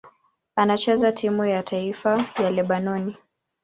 Anachezea timu ya taifa ya Lebanoni.